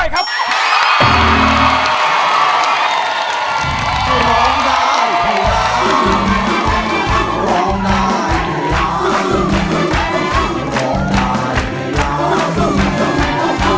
ร้องได้ให้ร้าน